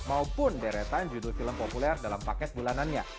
maupun deretan judul film populer dalam pakez bulanannya